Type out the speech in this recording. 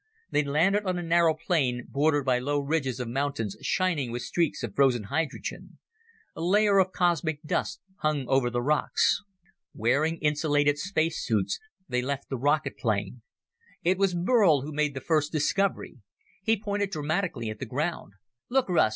They landed on a narrow plain, bordered by low ridges of mountains shining with streaks of frozen hydrogen. A layer of cosmic dust hung over the rocks. Wearing insulated space suits, they left the rocket plane. It was Burl who made the first discovery. He pointed dramatically at the ground. "Look, Russ.